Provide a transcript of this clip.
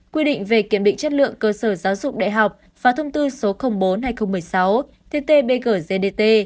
quy định về kiểm định chất lượng cơ sở giáo dục đại học và thông tư số bốn hai nghìn một mươi sáu tt bg gdt